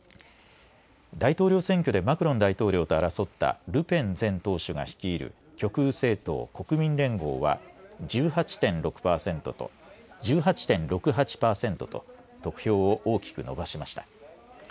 大統領選挙でマクロン大統領と争ったルペン前党首が率いる極右政党国民連合は１８．６８％と得票を大きく伸ばしました。